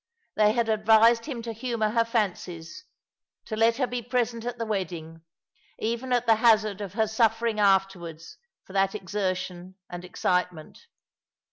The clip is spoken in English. They had advised him to humour her fancies, to let her be present at the wedding, even at the hazard of her suffering afterwards for that exertion and excitement.